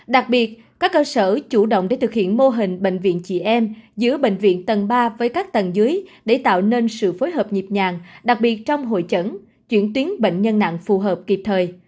đặc biệt các cơ sở chủ động để thực hiện mô hình bệnh viện chị em giữa bệnh viện tầng ba với các tầng dưới để tạo nên sự phối hợp nhịp nhàng đặc biệt trong hội trận chuyển tuyến bệnh nhân nặng phù hợp kịp thời